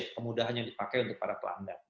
kemudahan yang dipakai untuk para pelanggan